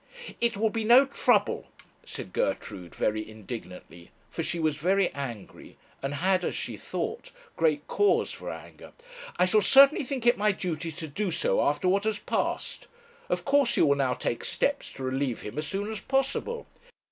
'It will be no trouble,' said Gertrude, very indignantly, for she was very angry, and had, as she thought, great cause for anger. 'I shall certainly think it my duty to do so after what has passed. Of course you will now take steps to relieve him as soon as possible.'